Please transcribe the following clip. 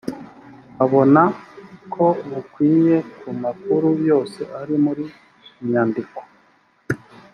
abona ko bukwiye ku makuru yose ari muri nyandiko